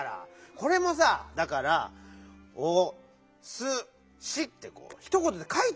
これもさだから「おすし」ってひとことでかいてよ！